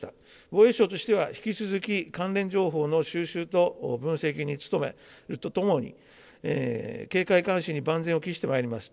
防衛省としては、引き続き、関連情報の収集と分析に努めるとともに警戒監視に万全を期してまいります。